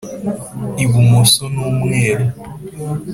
ibumoso n' umweru